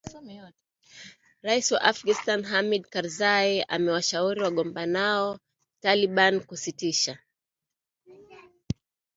rais wa afghanstan hamid karizai amewashauri wanamgambo wa taliban kusitisha kufanya mashambulizi